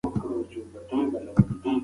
د ماخوستن خواړه باید سپک وي.